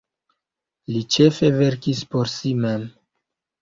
Li ĉefe verkis por si mem.